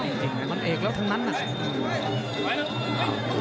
เอกจริงมันเอกแล้วทั้งนั้นน่ะ